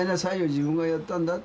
「自分がやったんだ」って。